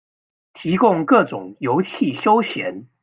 提供各種遊憩休閒